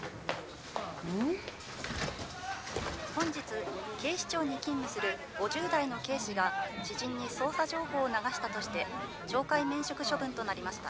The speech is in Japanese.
本日警視庁に勤務する５０代の警視が知人に捜査情報を流したとして懲戒免職処分となりました。